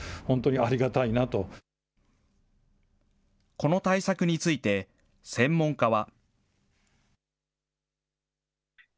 この対策について、専門家は。